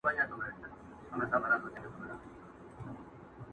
د شنه چنار په ننداره وزمه٫